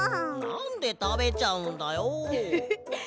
なんでたべちゃうんだよ。ハハハ。